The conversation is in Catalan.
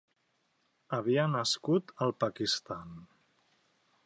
Havia nascut al Pakistan.